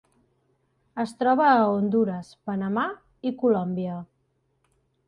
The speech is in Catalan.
Es troba a Hondures, Panamà i Colòmbia.